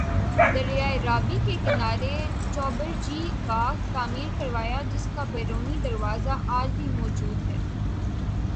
دریائے راوی کے کنارے چوبرجی باغ تعمیر کروایا جس کا بیرونی دروازہ آج بھی موجود ہے